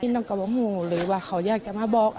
น้องกระบะหูหรือว่าเขาอยากจะมาบอก